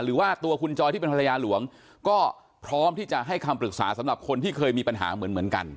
หรือว่าตัวคุณจอยที่เป็นภรรยาหลวงก็พร้อมที่จะให้คำปรึกษาสำหรับคนที่เคยมีปัญหาเหมือนกัน